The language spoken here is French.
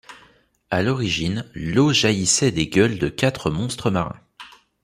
À l'origine, l'eau jaillissait des gueules de quatre monstres marins.